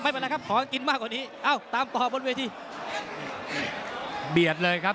ไม่เป็นไรครับขอกินมากกว่านี้เอ้าตามต่อบนเวทีเบียดเลยครับ